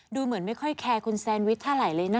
ดูเหมือนไม่ค่อยแคร์คุณแซนวิชเท่าไหร่เลยนะ